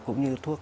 cũng như thuốc